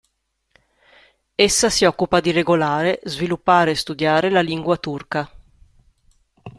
Essa si occupa di regolare, sviluppare e studiare la lingua turca.